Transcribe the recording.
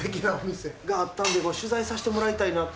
があったんで取材させてもらいたいなと。